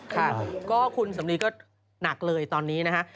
ค่ะก็คุณสำลีก็หนักเลยตอนนี้นะฮะ